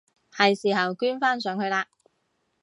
係時候捐返上去喇！